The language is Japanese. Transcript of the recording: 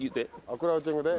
クラウチングで？